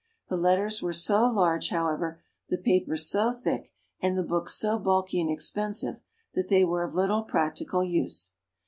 The letters were so large, however, the paper so thick, and the books so bulky and expensive, that they were of little practical use.